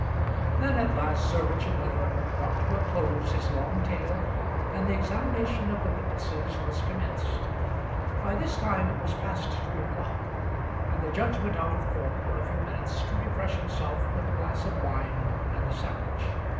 Then at last Sir Richard Leatherham brought to a close his long tale, and the examination of the witnesses was commenced. By this time it was past two o'clock, and the judge went out of court for a few minutes to refresh himself with a glass of wine and a sandwich.